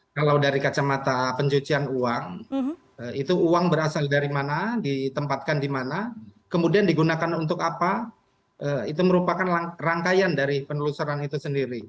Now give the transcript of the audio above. kalau dari kacamata pencucian uang itu uang berasal dari mana ditempatkan di mana kemudian digunakan untuk apa itu merupakan rangkaian dari penelusuran itu sendiri